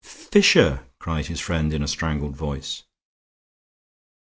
"Fisher!" cried his friend in a strangled voice.